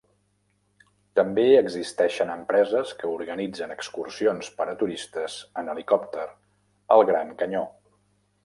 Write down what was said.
També existeixen empreses que organitzen excursions per a turistes en helicòpter al Gran Canyó.